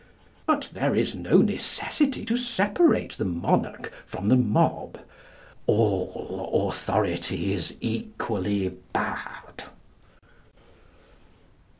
But there is no necessity to separate the monarch from the mob; all authority is equally bad.